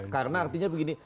karena artinya begini